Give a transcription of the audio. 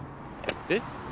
えっ？